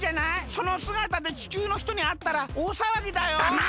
そのすがたでちきゅうの人にあったらおおさわぎだよ。だな！